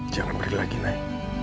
jangan bergerak lagi nay